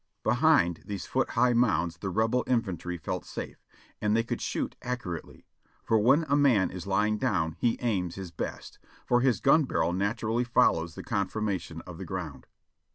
Behind these foot high mounds the Rebel infantry felt safe, and they could shoot accurately, for when a man is lying down he aims his best, for his gun barrel naturally follows the con formation of the ground.